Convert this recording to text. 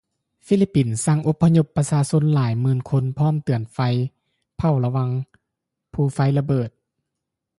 ຟິລິບປິນ ສັ່ງອົບພະຍົບປະຊາຊົນຫຼາຍໝື່ນຄົນ ພ້ອມເຕືອນໄພເຝົ້າລະວັງພູໄຟລະເບີດ